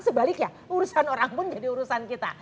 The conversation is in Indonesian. sebaliknya urusan orang pun jadi urusan kita